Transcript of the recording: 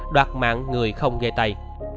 đoạt mạng người không gây tay